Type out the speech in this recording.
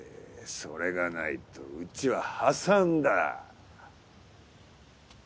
それがないとうちは破産だ。